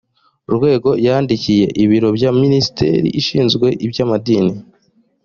rwego yandikiye ibiro bya minisiteri ishinzwe iby amadini